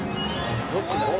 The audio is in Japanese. どっちだ？